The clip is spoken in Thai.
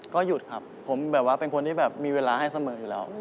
ก็หยุดครับผมแบบว่าเป็นคนที่แบบมีเวลาให้เสมออยู่แล้ว